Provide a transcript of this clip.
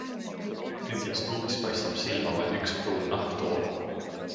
Tühjas ruumis paistab silma vaid üks pruun nahktool.